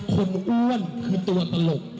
อ้วนคือตัวตลก